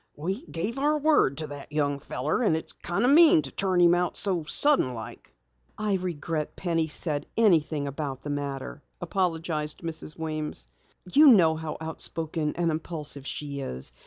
"We gave our word to the young feller, and it's kinda mean to turn him out so sudden like." "I regret Penny said anything about the matter." apologized Mrs. Weems. "You know how out spoken and impulsive she is.